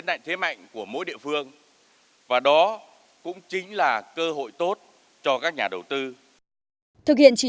đại thế mạnh của mỗi địa phương và đó cũng chính là cơ hội tốt cho các nhà đầu tư thực hiện chỉ